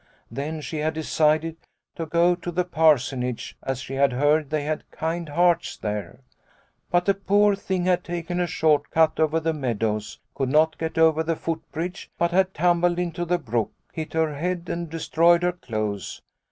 Then she had decided to go to the Parsonage as she had heard they had kind hearts there. But the poor thing had taken a short cut over the meadows, could not get over the footbridge, but had tumbled into the brook, hit her head and destroyed her clothes.